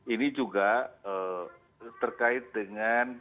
ini juga terkait dengan